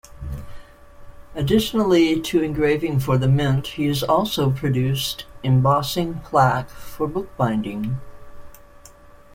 Additionally to engraving for the Mint, he also produced embossing plaque for bookbinding.